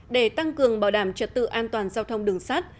để tăng cường bảo đảm trật tự an toàn giao thông đường sắt